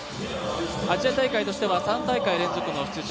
アジア大会としては３大会連続の出場。